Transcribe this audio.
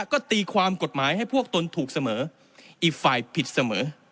ก็ตีความกฎหมายให้พวกตนถูกเสมออีกฝ่ายผิดเสมอ